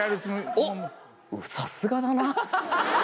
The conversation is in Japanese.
おっさすがだな。